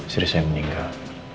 siri saya meninggal